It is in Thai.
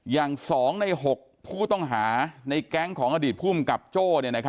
อย่าง๒ใน๖ผู้ต้องหาในแก๊งของอดีตภูมิกับโจ้